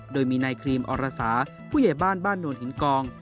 โดยมีนายครีมอรสาผู้ใหญ่บ้านบ้านโนนหินกอง